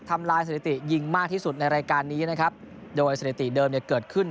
ทำลายสถิติยิงมากที่สุดในรายการนี้นะครับโดยสถิติเดิมเนี่ยเกิดขึ้น